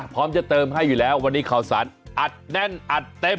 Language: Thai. พร้อมจะเติมให้อยู่แล้ววันนี้ข่าวสารอัดแน่นอัดเต็ม